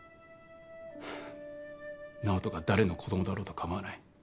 はぁ直人が誰の子供だろうとかまわない。